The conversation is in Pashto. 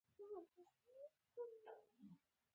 انټرنیټ ډاونلوډ ډېر وخت نیسي.